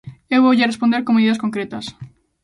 Eu voulle responder con medidas concretas.